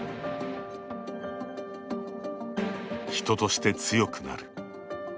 人として強くなる。